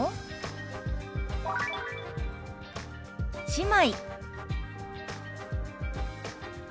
「姉妹」。